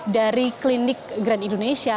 dari klinik grand indonesia